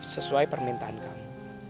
sesuai permintaan kamu